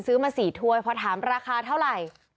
ซื้อมา๔ถ้วยพอถามราคาเท่าไหร่